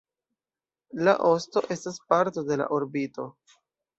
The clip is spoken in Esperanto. La osto estas parto de la orbito.